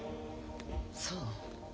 そう。